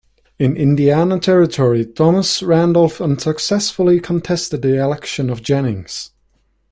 In Indiana Territory, Thomas Randolph unsuccessfully contested the election of Jennings.